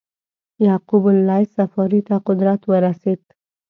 یعقوب اللیث صفاري ته قدرت ورسېد.